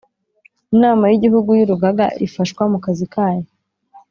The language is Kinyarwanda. Inama y Igihugu y Urugaga ifashwa mu kazi kayo